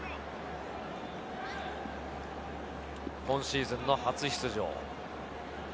今シーズンの初出場。